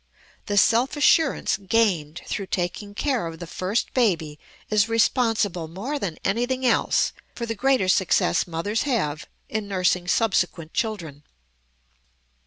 The self assurance gained through taking care of the first baby is responsible more than anything else for the greater success mothers have in nursing subsequent children.